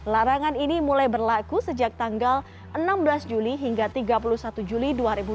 larangan ini mulai berlaku sejak tanggal enam belas juli hingga tiga puluh satu juli dua ribu dua puluh